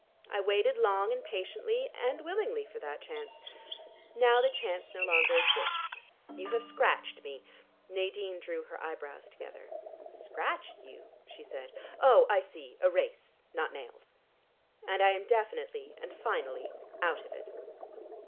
I waited long and patiently and willingly for that chance. Now the chance no longer exists. You have scratched me " Nadine drew her eyebrows together. "Scratched you?" she said. "Oh, I see, a race: not nails." "And I am definitely and finally out of it."